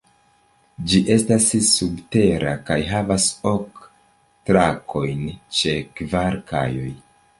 Ĝi estas subtera kaj havas ok trakojn ĉe kvar kajoj.